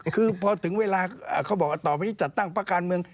คือพอถึงเวลาเขาบอกว่าต่อไปนี้จัดตั้งพักการเมือง